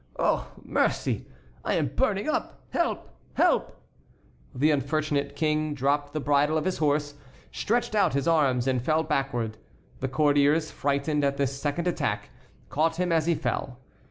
Oh! mercy! I am burning up! Help! Help!" The unfortunate King dropped the bridle of his horse, stretched out his arms, and fell backward. The courtiers, frightened at this second attack, caught him as he fell.